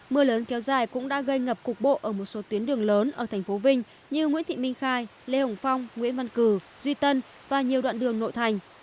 mưa lớn kéo dài cũng đã gây ngập cục bộ ở một số tuyến đường lớn ở thành phố vinh như nguyễn thị minh khai lê hồng phong nguyễn văn cử duy tân và nhiều đoạn đường nội thành